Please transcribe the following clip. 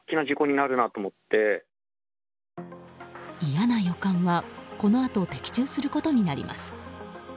嫌な予感はこのあと的中することになります。